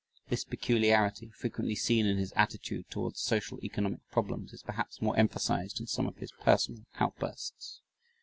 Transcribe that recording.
This peculiarity, frequently seen in his attitude towards social economic problems, is perhaps more emphasized in some of his personal outbursts.